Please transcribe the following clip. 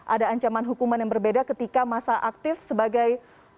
ada ancaman hukuman yang berbeda ketika masa aktif sebagai